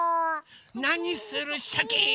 なにするシャキーン。